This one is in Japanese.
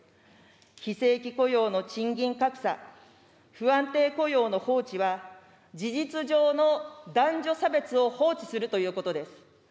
非正規雇用の賃金格差、不安定雇用の放置は、事実上の男女差別を放置するということです。